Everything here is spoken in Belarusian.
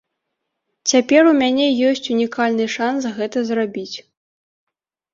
Цяпер у мяне ёсць унікальны шанс гэта зрабіць.